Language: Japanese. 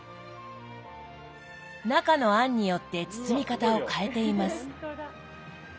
中の餡によって包み方を変えています。